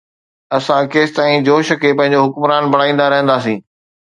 اسان ڪيستائين جوش کي پنهنجو حڪمران بڻائيندا رهنداسين؟